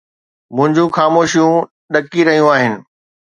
منهنجون خاموشيون ڏڪي رهيون آهن